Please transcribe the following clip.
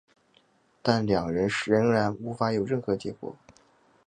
但两人仍然无法有任何结果。